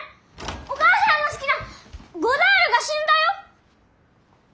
お母さんの好きなゴダールが死んだよ！